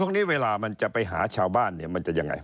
พวกนี้เวลามันจะไปหาชาวบ้านมันจะอย่างไร